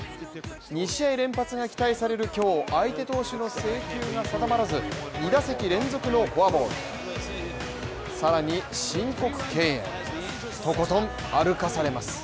２試合連発が期待される今日、相手投手は制球が定まらず２打席連続のフォアボールさらに、申告敬遠とことん歩かされます。